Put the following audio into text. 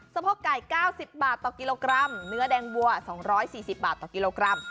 สะพอกไก่เก้าสิบบาทต่อกิโลกรัมเนื้อแดงบัวสองร้อยสี่สิบบาทต่อกิโลกรัม